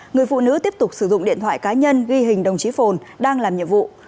người phụ nữ tiếp tục sử dụng điện thoại cá nhân ghi hình đồng chí phồn đang làm nhiệm vụ